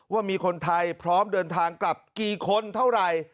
ว่ามีคนไทยพร้อมเดินทางกลับกี่คนเท่าไหร่